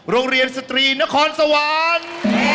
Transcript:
โรงเรียนสตรีนครสวรรค์